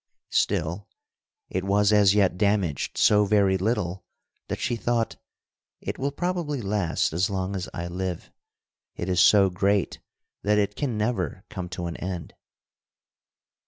Still, it was as yet damaged so very little that she thought: "It will probably last as long as I live. It is so great that it can never come to an end."